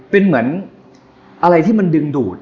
เป็นเหมือนอะไรที่มันดึงดูด